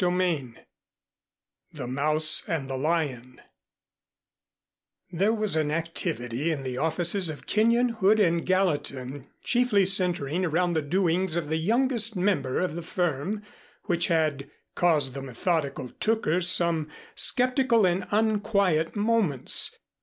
XXIII THE MOUSE AND THE LION There was an activity in the offices of Kenyon, Hood and Gallatin chiefly centering around the doings of the youngest member of the firm which had caused the methodical Tooker some skeptical and unquiet moments.